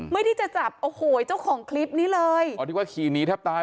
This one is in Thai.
ไม่ได้จะจับโอ้โหเจ้าของคลิปนี้เลยอ๋อที่ว่าขี่หนีแทบตาย